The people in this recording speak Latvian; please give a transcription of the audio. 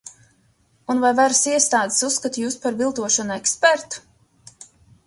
Un vai varas iestādes uzskata jūs par viltošanu ekspertu?